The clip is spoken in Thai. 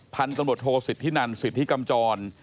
พันธุ์ตำรวจโทษสิทธินันสิทธิกำจร